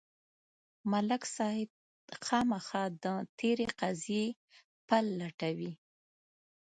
ملک صاحب خامخا د تېرې قضیې پل لټوي.